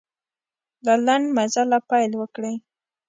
له لنډ مزله پیل وکړئ.